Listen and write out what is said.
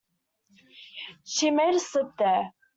She made a slip there.